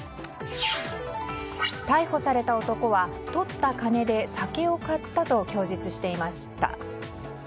逮捕された男は取った金で酒を買ったと供述していました。